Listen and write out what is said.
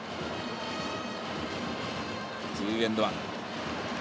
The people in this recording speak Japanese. ツーエンドワン。